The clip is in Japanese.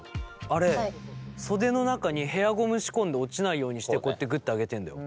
あれ袖の中にヘアゴム仕込んで落ちないようにしてこうやってグッて上げてんだよ。